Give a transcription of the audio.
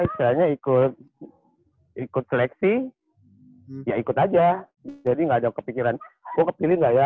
istilahnya ikut seleksi ya ikut aja jadi gak ada kepikiran gue kepilih gak ya